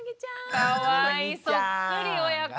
かわいいそっくり親子。